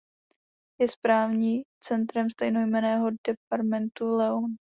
Je správní centrem stejnojmenného departementu León.